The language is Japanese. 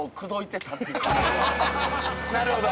なるほど。